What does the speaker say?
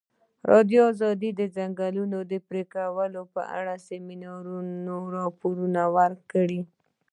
ازادي راډیو د د ځنګلونو پرېکول په اړه د سیمینارونو راپورونه ورکړي.